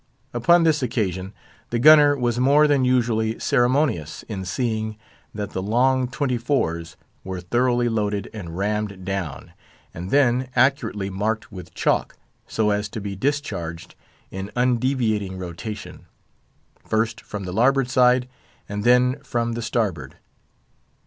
Upon this occasion the gunner was more than usually ceremonious, in seeing that the long twenty fours were thoroughly loaded and rammed down, and then accurately marked with chalk, so as to be discharged in undeviating rotation, first from the larboard side, and then from the starboard.